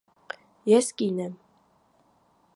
ես կին եմ…